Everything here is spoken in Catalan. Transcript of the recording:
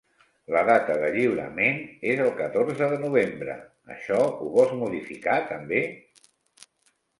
La data de lliurament és el catorze de novembre, això ho vols modificar també?